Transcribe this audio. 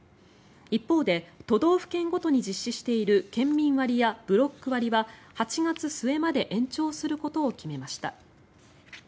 一方で、都道府県ごとに実施している県民割やブロック割は８月末まで延長することを決めました。